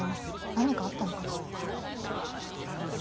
何かあったのかと。